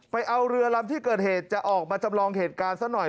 ไปเอาเรือลำที่เกิดเหตุจะออกมาจำลองเหตุการณ์ซะหน่อย